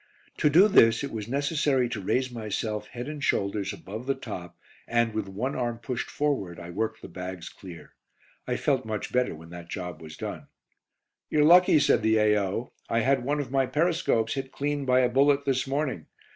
To do this it was necessary to raise myself head and shoulders above the top and, with one arm pushed forward, I worked the bags clear. I felt much better when that job was done. "You're lucky," said the A.O. "I had one of my periscopes hit clean by a bullet this morning.